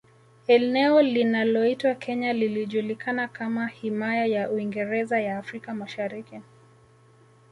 Eneo linaloitwa Kenya lilijulikana kama Himaya ya Uingereza ya Afrika Mashariki